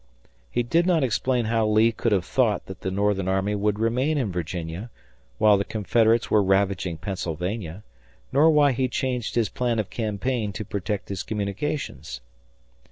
He did not explain how Lee could have thought that the Northern army would remain in Virginia, while the Confederates were ravaging Pennsylvania, nor why he changed his plan of campaign to protect his communications.